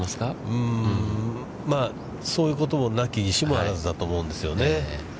うん、まあ、そういうことも、なきにしもあらずだと思うんですよね。